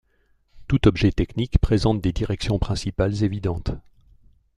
Tout objet technique présente des directions principales évidentes.